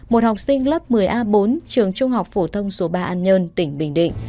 một học sinh lớp một mươi a bốn trường trung học phổ thông số ba an nhơn tỉnh bình định